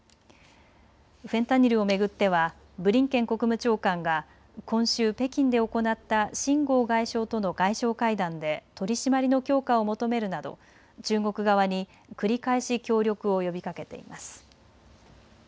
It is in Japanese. フェンタニルを巡ってはブリンケン国務長官が今週北京で行った秦剛外相との外相会談で取締りの強化を求めるなど中国側に繰り返し協力を呼びかけています。